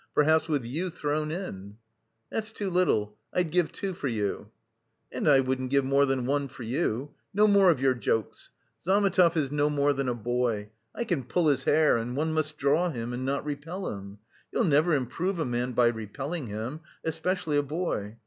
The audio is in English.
perhaps with you thrown in." "That's too little; I'd give two for you." "And I wouldn't give more than one for you. No more of your jokes! Zametov is no more than a boy. I can pull his hair and one must draw him not repel him. You'll never improve a man by repelling him, especially a boy.